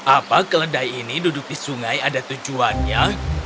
apa keledai ini duduk di sungai ada tujuannya